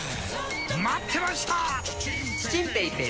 待ってました！